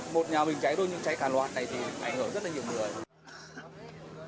một nhà mình cháy thôi nhưng cháy cả loạt này thì ảnh hưởng rất là nhiều người